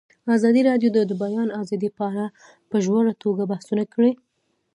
ازادي راډیو د د بیان آزادي په اړه په ژوره توګه بحثونه کړي.